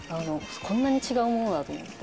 こんなに違うものだと思って。